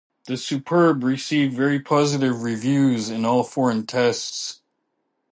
The Superb received very positive reviews in all foreign tests.